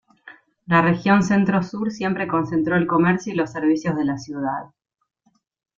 La región Centro-Sur siempre concentró el comercio y los servicios de la ciudad.